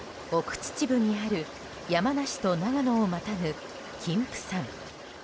秩父にある山梨と長野をまたぐ金峰山。